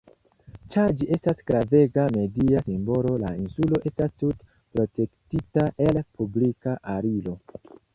Ĉar ĝi estas gravega media simbolo, la insulo estas tute protektita el publika aliro.